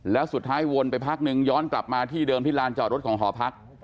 แล้วสุดท้ายวนไปพักนึงย้อนกลับมาที่เดิมที่ลานจอดรถของหอพัก